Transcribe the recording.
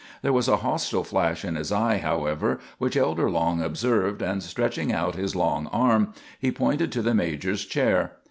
There was a hostile flash in his eye, however, which Elder Long observed, and stretching out his long arm, he pointed to the major's chair.